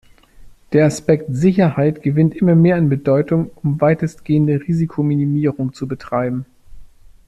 Der Aspekt „Sicherheit“ gewinnt immer mehr an Bedeutung, um weitestgehende Risikominimierung zu betreiben.